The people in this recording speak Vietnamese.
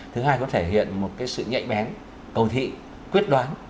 thứ hai có thể hiện một sự nhạy bén cầu thị quyết đoán